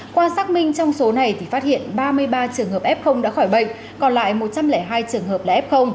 các mình trong số này thì phát hiện ba mươi ba trường hợp f đã khỏi bệnh còn lại một trăm linh hai trường hợp là f